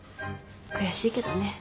悔しいけどね。